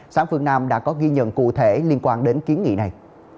sáng phương nam đã có ghi nhận cụ thể liên quan đến kiến nghị này